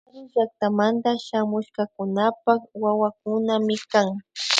Karu llaktamanta shamushkakunapak wawakunami kan